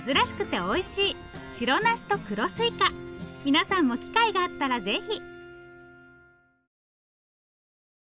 皆さんも機会があったらぜひ！